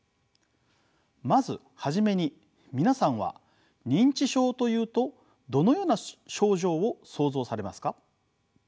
まず初めに皆さんは認知症というとどのような症状を想像されますか？